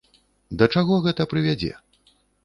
Да чаго гэта прывядзе?